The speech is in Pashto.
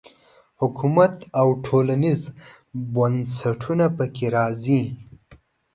حکومت او ټولنیز بنسټونه په کې راځي.